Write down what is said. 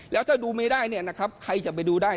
แล้วถ้าดูไม่ได้เนี่ยนะครับใครจะไปดูได้